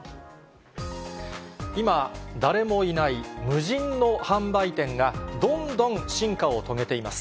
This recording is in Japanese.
今、誰もいない無人の販売店が、どんどん進化を遂げています。